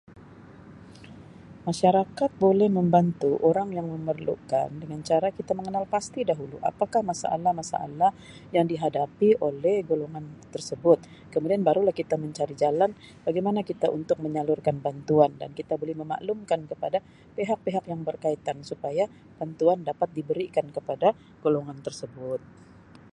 Masyarakat boleh membantu orang yang memerlukan dengan cara kita mengenal pasti dahulu apakah masalah-masalah yang dihadapi oleh golongan tersebut kemudian baru lah kita mencari jalan bagaimana kita untuk menyalurkan bantuan dan kita dan kita boleh memaklumkan kepada pihak-pihak yang berkaitan supaya bantuan dapat diberikan kepada golongan tersebut.